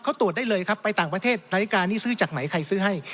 เขาตรวจได้เลยครับไปต่างประเทศนาฬิกานี่ซื้อจากไหนใครซื้อให้